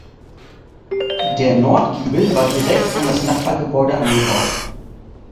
Der Nordgiebel war direkt an das Nachbargebäude angebaut.